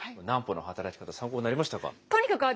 南畝の働き方参考になりましたか？